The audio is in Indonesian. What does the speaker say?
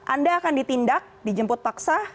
anda akan ditindak dijemput paksa